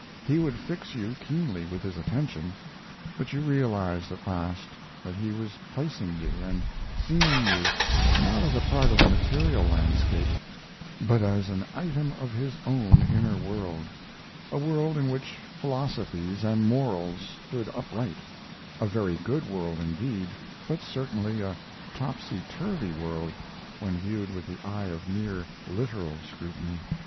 He would fix you keenly with his attention, but you realized, at last, that he was placing you and seeing you not as a part of the material landscape, but as an item of his own inner world a world in which philosophies and morals stood upright a very good world indeed, but certainly a topsy turvy world when viewed with the eye of mere literal scrutiny.